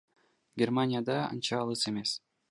Германия да анча алыс эмес.